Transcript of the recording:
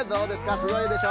すごいでしょ。